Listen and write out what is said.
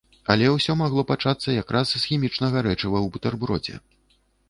Але ўсё магло пачацца якраз з хімічнага рэчыва ў бутэрбродзе.